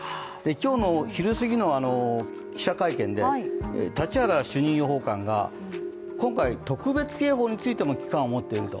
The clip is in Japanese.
今日の昼過ぎの記者会見で立原主任予報官が今回、特別警報についても危機感を持っていると。